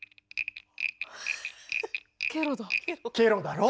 ケロだろ！